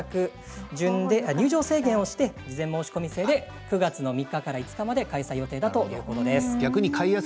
入場制限をして事前申し込み制で９月３日から５日まで開催予定ということです。